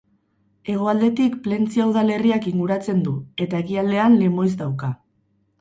Hegoaldetik Plentzia udalerriak inguratzen du, eta ekialdean Lemoiz dauka.